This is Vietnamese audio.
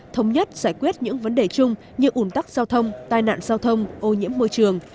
thống nhất giải quyết những vấn đề chung như ủn tắc giao thông tai nạn giao thông ô nhiễm môi trường